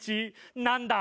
なんだ？